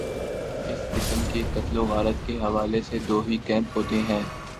اس قسم کی قتل وغارت کے حوالے سے دو ہی کیمپ ہوتے ہیں۔